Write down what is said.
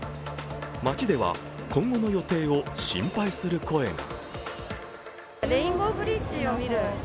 街では今後の予定を心配する声が。